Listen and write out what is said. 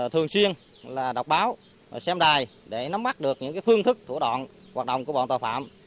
thường xuyên đọc báo xem đài để nắm mắt được những phương thức thủ đoạn hoạt động của bọn tội phạm